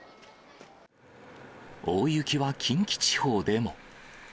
大雪は近畿地方でも。